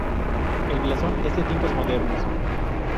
El blasón es de tiempos modernos.